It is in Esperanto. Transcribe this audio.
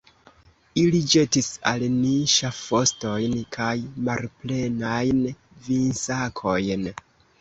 Ili ĵetis al ni ŝafostojn kaj malplenajn vinsakojn.